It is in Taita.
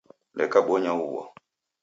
Leka kubonya uw'o